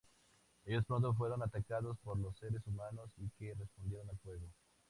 Ellos pronto fueron atacados por los seres humanos y que respondieron al fuego.